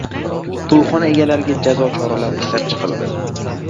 To‘yxona egalariga jazo choralari ishlab chiqildi